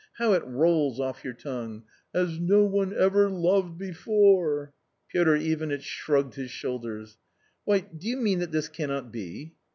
How it rolls off your tongue !' as no one ever loved before !'" Piotr Ivanitch shrugged his shoulders. " Why, do you mean that this cannot be